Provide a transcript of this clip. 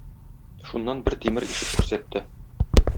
Шуннан бер тимер ишек күрсәтте